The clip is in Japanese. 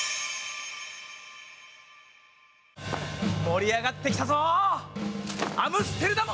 盛り上がってきたぞ。